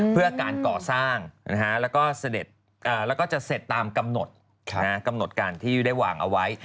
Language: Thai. เพื่อการก่อสร้างแล้วก็จะเสร็จตามกำหนดการที่ได้วางเอาไว้